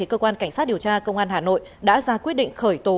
cơ quan cảnh sát điều tra công an hà nội đã ra quyết định khởi tố